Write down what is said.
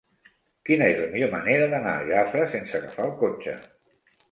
Quina és la millor manera d'anar a Jafre sense agafar el cotxe?